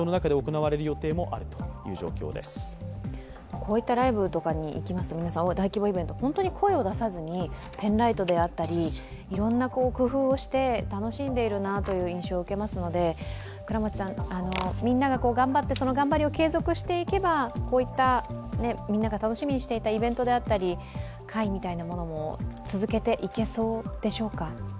こういったライブとかに行きますと皆さん、大規模イベント、本当に声を出さずにペンライトであったり、いろいろな工夫をして楽しんでいるなという印象を受けますのでみんなが頑張って、その頑張りを継続していけばこういったみんなが楽しみにしていたイベントであったり、会みたいなものも続けていけそうでしょうか？